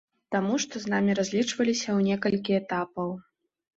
Таму што з намі разлічваліся ў некалькі этапаў.